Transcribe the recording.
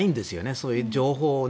そういう情報を。